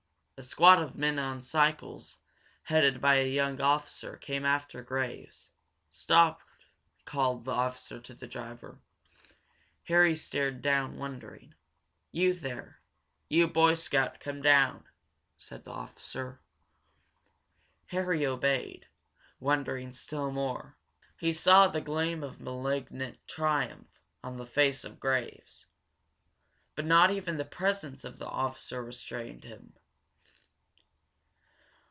A squad of men on cycles, headed by a young officer, came after Graves. "Stop!" called the officer to the driver. Harry stared down, wondering. "You there you Boy Scout come down!" said the officer. Harry obeyed, wondering still more. He saw the gleam of malignant triumph on the face of Graves. But not even the presence of the officer restrained him.